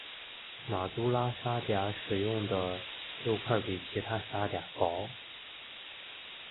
马都拉沙嗲使用的肉块比其他沙嗲薄。